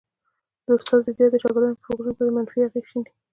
د استاد ضدیت د شاګردانو پر فکرونو باندي منفي اغېز شیندي